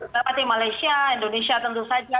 seperti malaysia indonesia tentu saja